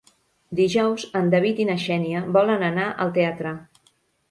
Dijous en David i na Xènia volen anar al teatre.